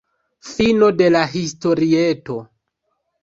Fino de la historieto.